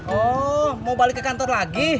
oh mau balik ke kantor lagi